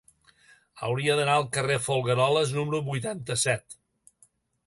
Hauria d'anar al carrer de Folgueroles número vuitanta-set.